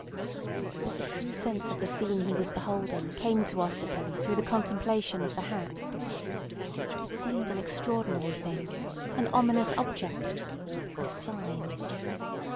But the true sense of the scene he was beholding came to Ossipon through the contemplation of the hat. It seemed an extraordinary thing, an ominous object, a sign.